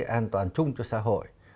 an toàn chung cho xã hội